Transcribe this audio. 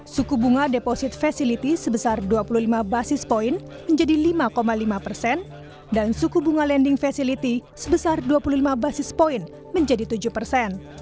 suku bunga deposit facility sebesar dua puluh lima basis point menjadi lima lima persen dan suku bunga lending facility sebesar dua puluh lima basis point menjadi tujuh persen